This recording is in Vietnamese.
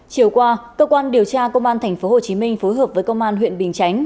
chiều qua cơ quan điều tra công an tp hcm phối hợp với công an huyện bình chánh